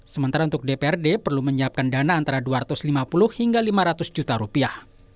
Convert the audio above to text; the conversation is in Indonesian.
sementara untuk dprd perlu menyiapkan dana antara dua ratus lima puluh hingga lima ratus juta rupiah